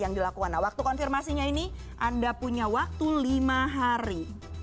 nah waktu konfirmasinya ini anda punya waktu lima hari